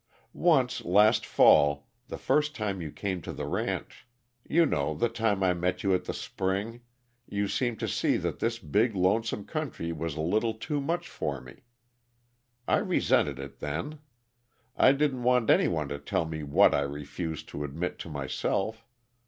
Once last fall the first time you came to the ranch you know, the time I met you at the spring, you seemed to see that this big, lonesome country was a little too much for me. I resented it then. I didn't want any one to tell me what I refused to admit to myself.